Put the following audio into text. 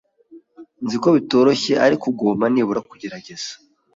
Nzi ko bitoroshye, ariko ugomba nibura kugerageza.